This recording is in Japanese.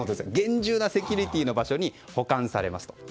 厳重なセキュリティーの場所に保管されますと。